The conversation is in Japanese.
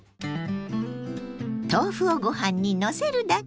豆腐をご飯にのせるだけ！